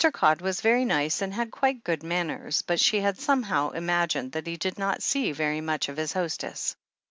Codd was very nice, and had quite good manners, but she had somehow imagined that he did not see very much of his hostess.